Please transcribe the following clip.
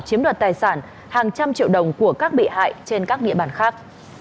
chiếm đoạt tài sản hàng trăm triệu đồng của các bị hại trên các địa bàn khác